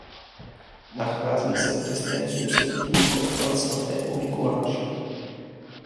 Nachází se v těsném sousedství kostela svatého Mikuláše.